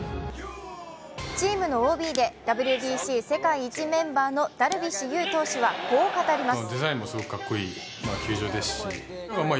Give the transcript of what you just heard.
チームのＯＢでＷＢＣ世界一メンバーのダルビッシュ有投手はこう語ります。